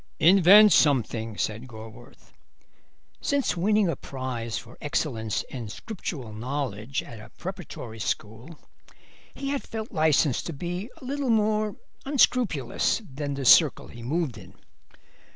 "Invent something," said Gorworth. Since winning a prize for excellence in Scriptural knowledge at a preparatory school he had felt licensed to be a little more unscrupulous than the circle he moved in.